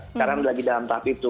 sekarang lagi dalam tahap itu